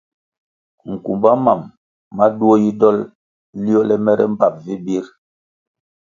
Nkumba mam ma duo yi dol liole mere mbpap vi bir.